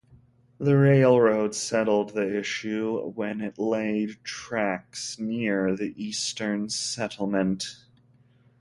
The railroad settled the issue when it laid tracks near the eastern settlement.